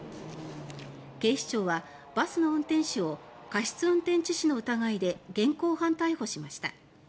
警視庁はバスの運転手を過失運転致死の疑いで現行犯逮捕しました。